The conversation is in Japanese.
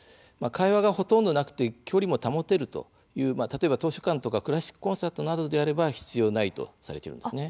会話がほとんどなくて距離も保てるという例えば図書館とかクラシックコンサートなどであれば必要ないとされているんですね。